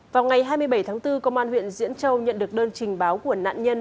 vào ngày hai mươi bảy tháng bốn công an huyện diễn châu nhận được đơn trình báo của nạn nhân